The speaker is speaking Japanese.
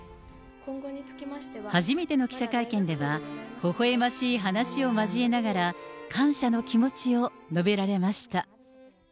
初めての記者会見では、ほほえましい話を交えながら、感謝の気持ちを述べられました。